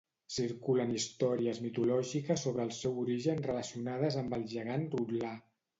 Circulen històries mitològiques sobre el seu origen relacionades amb el gegant Rotlà.